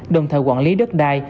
đồng thời quản lý đất đai